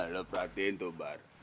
lo perhatiin tuh bar